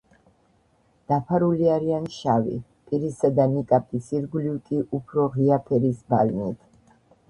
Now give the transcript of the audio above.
დაფარული არიან შავი, პირისა და ნიკაპის ირგვლივ კი უფრო ღია ფერის ბალნით.